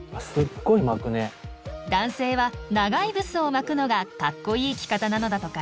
男性は長いブスを巻くのがカッコイイ着方なのだとか。